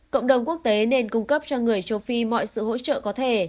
cộng đồng quốc tế nên cung cấp cho người châu phi mọi sự hỗ trợ có thể